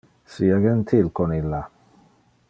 Sia gentil con illa.